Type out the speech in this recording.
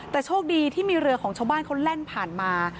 แต่โชคดีที่มีเรือของชาวบ้านเขาแล่นผ่านมา